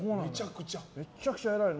めちゃくちゃえらいの。